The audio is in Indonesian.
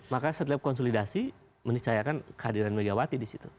maka setelah konsolidasi menisayakan kehadiran ibu megawati di situ